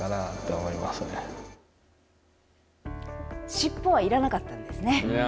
しっぽはいらなかったんですね。